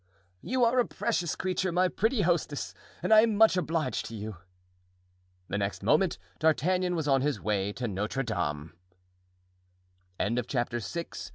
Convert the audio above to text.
"You are a precious creature, my pretty hostess, and I am much obliged to you." The next moment D'Artagnan was on his way to Notre Dame. Chapter VII.